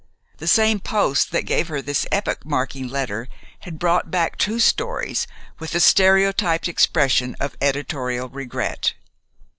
The same post that gave her this epoch marking letter had brought back two stories with the stereotyped expression of editorial regret.